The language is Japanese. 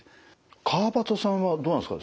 川畑さんはどうなんですか？